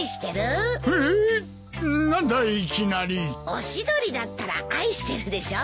オシドリだったら愛してるでしょ？